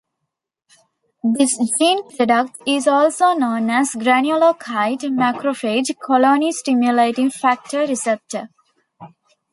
This gene product is also known as granulocyte macrophage colony-stimulating factor receptor.